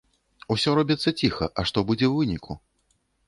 Усё робіцца ціха, а што будзе ў выніку?